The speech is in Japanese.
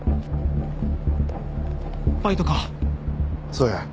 そうや。